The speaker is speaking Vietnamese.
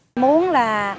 nói chung là